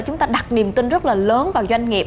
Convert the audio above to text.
chúng ta đặt niềm tin rất là lớn vào doanh nghiệp